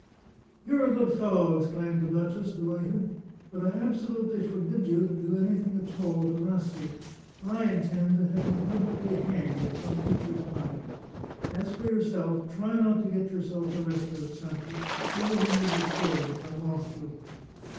" You're a good fellow," exclaimed the duchess, de lighted. " But I absolutely forbid you to do anything at all to Rassi. I intend to have him publicly hanged at some future time. As for yourself, try not to get your self arrested at Sacca; everything would be spoiled if I lost you."